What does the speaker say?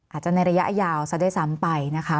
อาจจะในระยะยาวซะด้วยซ้ำไปนะคะ